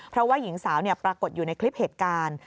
เพราะว่าหญิงสาวปรากฏอยู่ในคลิปเหตุการณ์